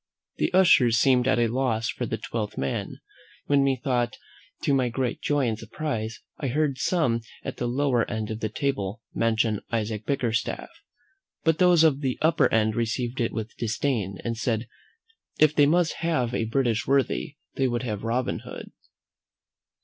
The ushers seemed at a loss for a twelfth man, when, methought, to my great joy and surprise, I heard some at the lower end of the table mention Isaac Bickerstaff; but those of the upper end received it with disdain, and said, "if they must have a British worthy, they would have Robin Hood!"